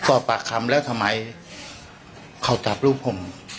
สอบปากคำแล้วทำไมเขาจับรูปผม